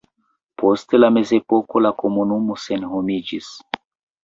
Post la mezepoko la komunumo senhomiĝis.